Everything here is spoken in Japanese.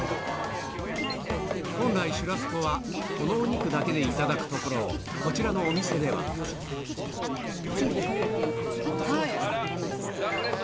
本来シュラスコはこのお肉だけでいただくところをこちらのお店ではあっ！